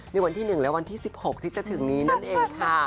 ในวันที่๑และวันที่๑๖ที่จะถึงนี้นั่นเองค่ะ